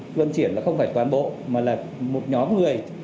luân chuyển không phải cán bộ mà là một nhóm người